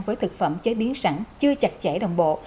với thực phẩm chế biến sẵn chưa chặt chẽ đồng bộ